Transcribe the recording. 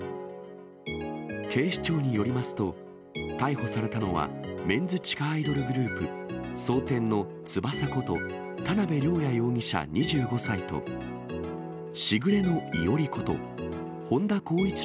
警視庁によりますと、逮捕されたのは、メンズ地下アイドルグループ、蒼天の翼こと、田辺稜弥容疑者２５歳と、時雨の伊織こと、本田孝一朗